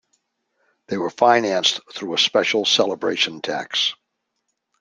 They were financed through a special celebration tax.